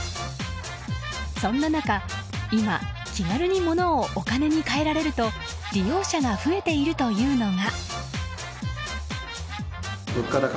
そんな中、今気軽に物をお金に換えられると利用者が増えているというのが。